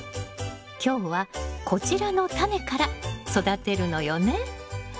今日はこちらのタネから育てるのよね。